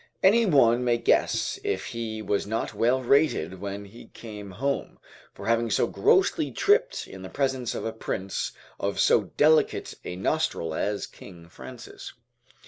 Any one may guess if he was not well rated when he came home, for having so grossly tripped in the presence of a prince of so delicate a nostril as King Francis.